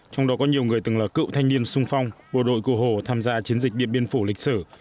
trong đó có nhiều người từng là cựu thanh niên sung phong bộ đội cổ hồ tham gia chiến dịch điện biên phủ lịch sử